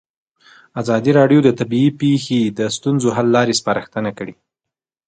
ازادي راډیو د طبیعي پېښې د ستونزو حل لارې سپارښتنې کړي.